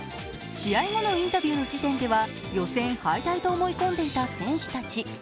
試合後のインタビューの時点では予選敗退と思い込んでいた選手たち。